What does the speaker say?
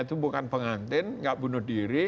itu bukan pengantin nggak bunuh diri